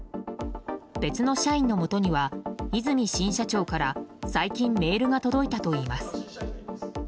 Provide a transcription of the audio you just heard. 別の社員のもとには和泉新社長から最近メールが届いたといいます。